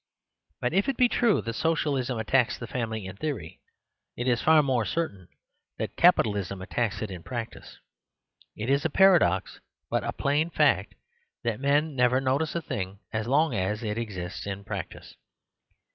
But if it be true that Socialism attacks the family in theory, it is far more certain that Capitalism attacks it in practice. It is a paradox, but a plain fact, that men never notice a thing as long as it exists in practice.